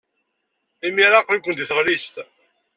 Imir-a, aql-iken deg tɣellist.